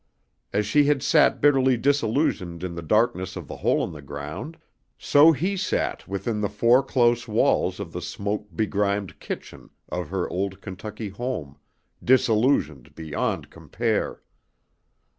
As she had sat bitterly disillusioned in the darkness of the hole in the ground, so he sat within the four close walls of the smoke begrimed kitchen of her old Kentucky home, disillusioned beyond compare.